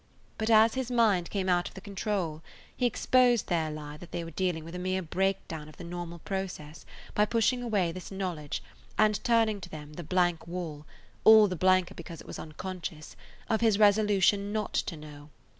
But as his mind came out of the control he exposed their lie that they were dealing with a mere breakdown of the normal process by pushing away this knowledge and turning to them the blank wall, all the blanker because it was unconscious, of his resolution not to know.